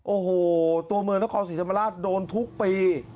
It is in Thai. โอ้โหตัวเมืองนครศรีธรรมราชโดนทุกปี